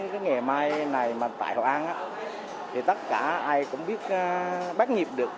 cái nghề may này mà tại hồi an á thì tất cả ai cũng biết bác nghiệp được